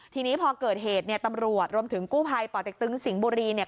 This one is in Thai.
ทีนี้พอเกิดเหตุเนี่ยตำรวจรวมถึงกู้ภัยป่อเต็กตึงสิงห์บุรีเนี่ย